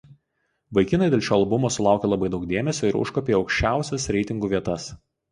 Vaikinai dėl šio albumo sulaukė labai daug dėmesio ir užkopė į aukščiausias reitingų vietas.